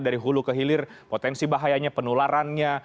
dari hulu ke hilir potensi bahayanya penularannya